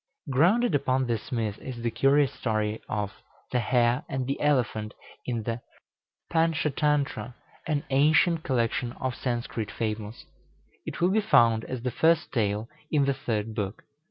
Grounded upon this myth is the curious story of "The Hare and the Elephant," in the "Pantschatantra," an ancient collection of Sanskrit fables. It will be found as the first tale in the third book.